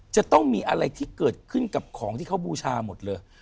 จะต้องมีอะไรที่เกิดขึ้นกับของที่เขาบูชาหมดเลย